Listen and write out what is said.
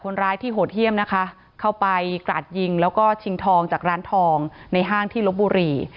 คนร้ายที่โหดเยี่ยมนะคะเข้าไปกราดยิงแล้วก็ชิงทองจากร้านทองในห้างที่ลบบุรี